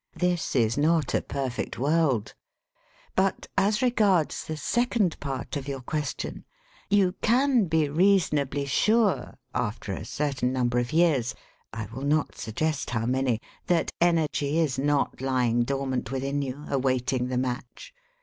This is not a perfect world. "But, as regards the second part of your ques tion, you can be reasonably sure after a certain number of years — I will not suggest how many — that energy is not lying dormant within you, awaiting the match.